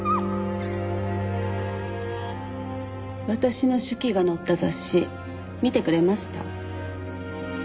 私の手記が載った雑誌見てくれました？